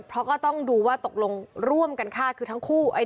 เพราะก็ต้องดูว่าตกลงร่วมกันฆ่าคือทั้งคู่